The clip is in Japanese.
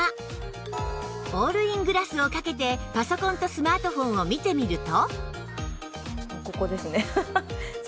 オールイングラスをかけてパソコンとスマートフォンを見てみると